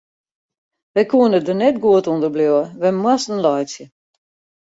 Wy koene der net goed ûnder bliuwe, wy moasten laitsje.